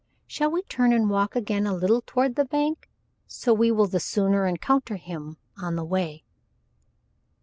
Shall we turn and walk again a little toward the bank? So will we the sooner encounter him on the way."